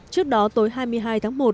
trước đó tối hai mươi hai tháng một